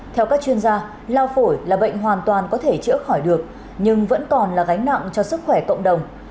theo các chuyên gia lao phổi là bệnh hoàn toàn có thể chữa khỏi được nhưng vẫn còn là gánh nặng cho sức khỏe cộng đồng